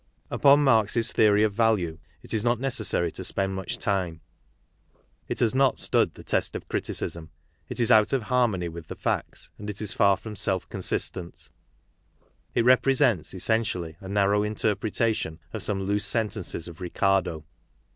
^ Upon_Mani^ theory of value it is not necessary to. spend much time. It has "not stood the test of critidsm,; IT is out'oF'fiarmony with the facts, and it isTar from self consistent. It represents essentially a narrow inter pretation of some loose sentences of Ricardo.